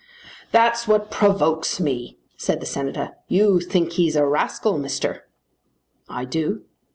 "That's what provokes me," said the Senator. "You think he's a rascal, Mister." "I do."